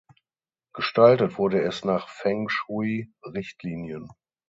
Gestaltet wurde es nach Feng Shui-Richtlinien.